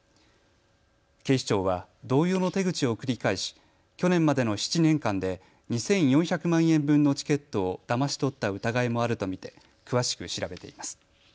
警視庁は同様の手口を繰り返し去年までの７年間で２４００万円分のチケットをだまし取った疑いもあると見て詳しく調べています。